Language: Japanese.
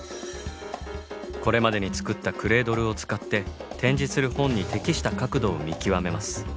これまでに作ったクレードルを使って展示する本に適した角度を見極めます。